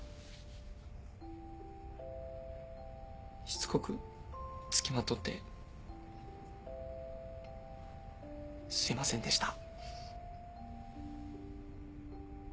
しつこく付きまとってすいませんでした。